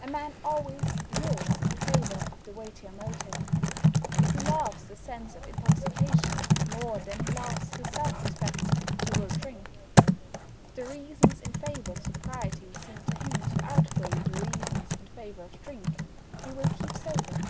A man always "wills" in favour of the weightier motive. If he loves the sense of intoxication more than he loves his self respect, he will drink. If the reasons in favour of sobriety seem to him to outweigh the reasons in favour of drink, he will keep sober.